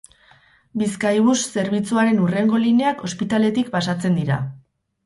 Bizkaibus zerbitzuaren hurrengo lineak ospitaletik pasatzen dira.